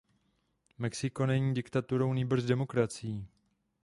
Mexiko není diktaturou, nýbrž demokracií.